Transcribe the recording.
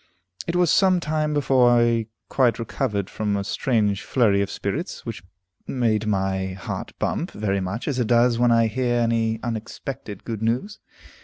It was some time before I quite recovered from a strange flurry of spirits, which made my heart bump very much as it does when I hear any unexpected good news.